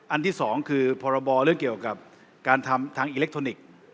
ที่สองคือพรบเรื่องเกี่ยวกับการทำทางอิเล็กทรอนิกส์